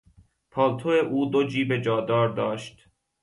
پالتو او دو جیب جادار داشت.